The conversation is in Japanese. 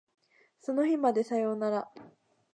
その日までさよなら